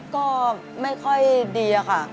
ก็ไม่ค่อยดีอะค่ะ